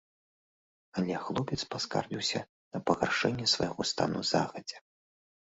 Але хлопец паскардзіўся на пагаршэнне свайго стану загадзя.